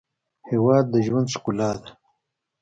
هېواد د ژوند ښکلا ده.